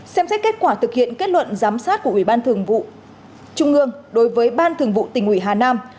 xem xét kết quả thực hiện kết luận giám sát của ubthv trung ương đối với ban thường vụ tình ủy hà nam